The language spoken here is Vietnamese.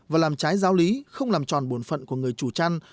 và làm trái giáo lý không làm tròn bồn phận của người chủ trăn